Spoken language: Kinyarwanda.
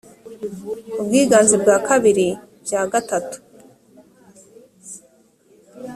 ubwiganze bwa bibiri bya gatatu